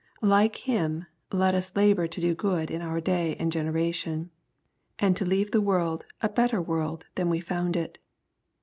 Like Him, let us labor *jo do good in our day and generation, and to lea^e the world a better world than we found it.